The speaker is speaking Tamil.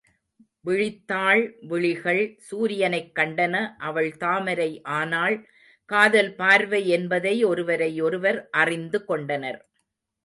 விழித்தாள் விழிகள் சூரியனைக் கண்டன அவள் தாமரை ஆனாள் காதல் பார்வை என்பதை ஒருவரை ஒருவர் அறிந்து கொண்டனர்.